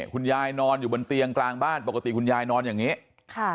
คุณยายนอนอยู่บนเตียงกลางบ้านปกติคุณยายนอนอย่างนี้ค่ะ